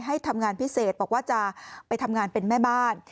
ให้ทำงานพิเศษบอกว่าจะไปทำงานเป็นแม่บ้าน